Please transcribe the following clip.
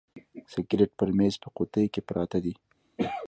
سګرېټ پر میز په قوطۍ کي پراته دي.